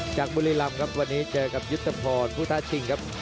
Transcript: บุรีรำครับวันนี้เจอกับยุทธพรผู้ท้าชิงครับ